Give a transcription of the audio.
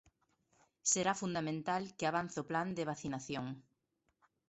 Será fundamental que avance o plan de vacinación.